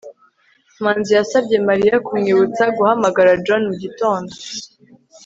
manzi yasabye mariya kumwibutsa guhamagara john mugitondo